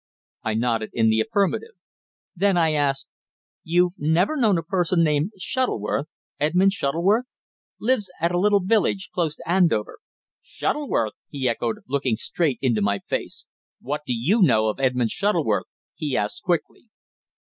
I nodded in the affirmative. Then I asked "You've never known a person named Shuttleworth Edmund Shuttleworth? Lives at a little village close to Andover." "Shuttleworth!" he echoed, looking straight into my face. "What do you know of Edmund Shuttleworth?" he asked quickly.